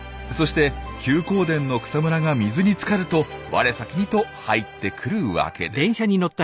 そして休耕田の草むらが水につかると我先にと入ってくるわけです。